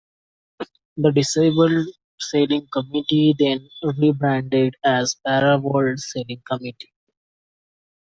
The Disabled Sailing Committee then re-branded as the Para World Sailing Committee.